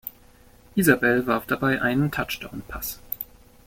Isbell warf dabei einen Touchdownpass.